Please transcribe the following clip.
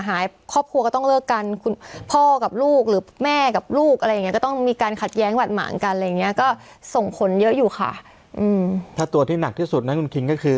หักแย้งหวัดหมากันอะไรอย่างนี้ก็ส่งผลเยอะอยู่ค่ะถ้าตั๋วที่หนักที่สุดนะคุณคินก็คือ